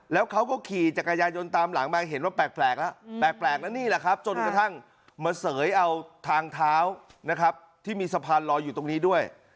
แล้วเขาก็ขี่จักรยายนตามหลังมาเห็นว่าแปลกแล้วแปลกแล้วนี่แหละครับจนกระทั่งมาเสยเอาทางเท้านะครับที่มีสะพานลอยอยู่ตรงนี้ด้วย